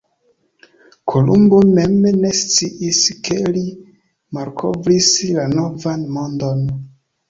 Kolumbo mem ne sciis ke li malkovris la Novan Mondon.